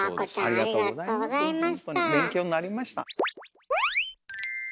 ありがとうございます！